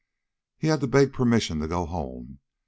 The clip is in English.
"He had to beg permission to go home.